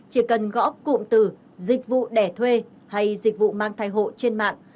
chỉ cần gõ cụm từ dịch vụ đẻ thuê hay dịch vụ mang thai hộ trên mạng